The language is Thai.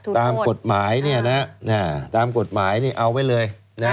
ตามกฎหมายเนี่ยเอาไว้เลย